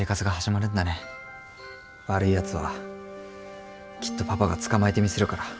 悪いやつはきっとパパが捕まえてみせるから。